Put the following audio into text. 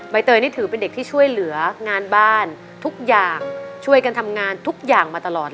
เตยนี่ถือเป็นเด็กที่ช่วยเหลืองานบ้านทุกอย่างช่วยกันทำงานทุกอย่างมาตลอดเลย